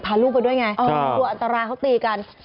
พาลูกไปด้วยไงกลัวอันตรายเขาตีกัน